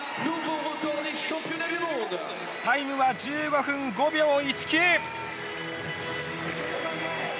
タイムは、１５分５秒１９。